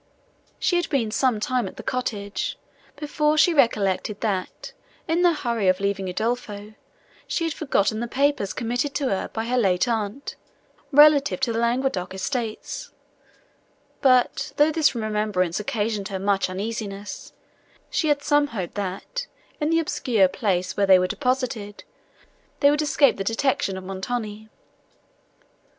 She had been some time at the cottage, before she recollected, that, in the hurry of leaving Udolpho, she had forgotten the papers committed to her by her late aunt, relative to the Languedoc estates; but, though this remembrance occasioned her much uneasiness, she had some hope, that, in the obscure place, where they were deposited, they would escape the detection of Montoni.